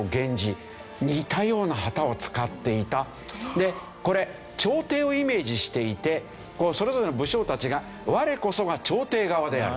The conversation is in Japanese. でこれ朝廷をイメージしていてそれぞれの武将たちが「我こそが朝廷側である」。